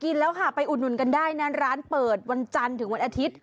แล้วค่ะไปอุดหนุนกันได้นะร้านเปิดวันจันทร์ถึงวันอาทิตย์